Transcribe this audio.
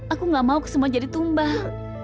aku gak mau kusuma jadi tumbang